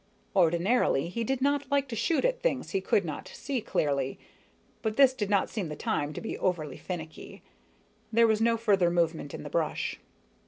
Ordinarily he did not like to shoot at things he could not see clearly, but this did not seem the time to be overly finicky. There was no further movement in the brush.